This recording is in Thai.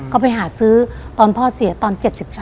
ก็ไปหาซื้อตอนพ่อเสียตอน๗เช้า